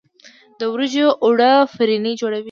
د وریجو اوړه فرني جوړوي.